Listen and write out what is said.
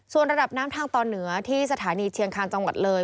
ส่วนระดับน้ำทางตอนเหนือที่สถานีเชียงคาญจังหวัดเลย